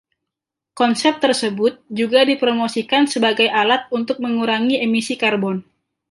Konsep tersebut juga dipromosikan sebagai alat untuk mengurangi emisi karbon.